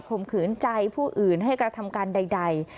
มขืนใจผู้อื่นให้กระทำการใด